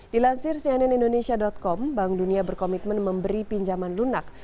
dilansir cnnindonesia com bank dunia berkomitmen memberi pinjaman lunak